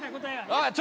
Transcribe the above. あっ！